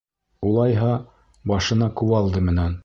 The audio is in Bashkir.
Улайһа... башына кувалда менән!